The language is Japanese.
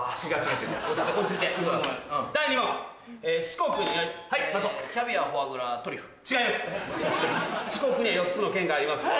「四国には４つの県があります。